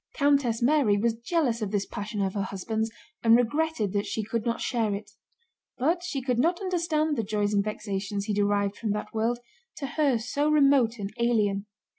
Countess Mary was jealous of this passion of her husband's and regretted that she could not share it; but she could not understand the joys and vexations he derived from that world, to her so remote and alien.